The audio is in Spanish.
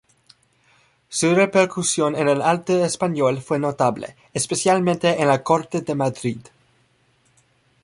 Su repercusión en el arte español fue notable, especialmente en la corte de Madrid.